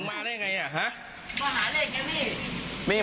คุณมาได้ยังไงฮะ